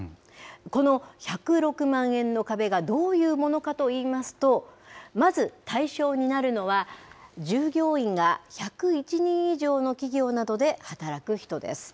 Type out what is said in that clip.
この１０６万円の壁がどういうものかといいますと、まず、対象になるのは、従業員が１０１人以上の企業などで働く人です。